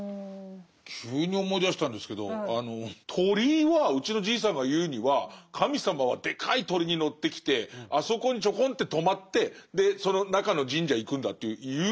急に思い出したんですけど鳥居はうちのじいさんが言うには神様はでかい鳥に乗ってきてあそこにちょこんって止まってでその中の神社へ行くんだって言うんですよ。